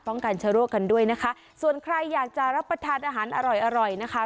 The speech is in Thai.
ป้องกันชะโรคกันด้วยนะคะส่วนใครอยากจะรับประทานอาหารอร่อยนะคะ